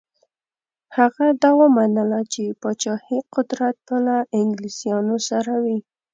هغه دا ومنله چې پاچهي قدرت به له انګلیسیانو سره وي.